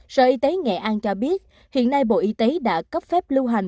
sở y tế nghệ an cho biết hiện nay bộ y tế đã cấp phép lưu hành